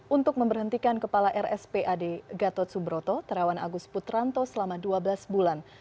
untuk memberhentikan kepala rspad gatot subroto terawan agus putranto selama dua belas bulan